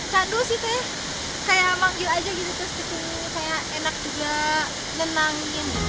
sadu sih kayak manggil aja gitu terus pikir kayak enak juga nenang